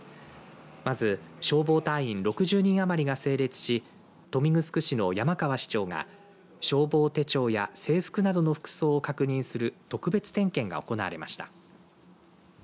まず消防隊員６０人余りが整列し豊見城市の山川市長が消防手帳や制服などの服装を確認する特別点検が行われました。